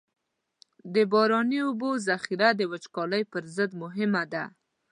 د باراني اوبو ذخیره د وچکالۍ پر ضد مهمه ده.